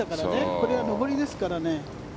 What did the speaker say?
これは上りですからね。